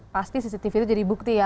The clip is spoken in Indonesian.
pasti cctv itu jadi bukti ya